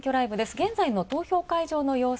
現在の投票会場の様子